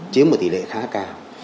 chiếm một tỉ lệ khá cao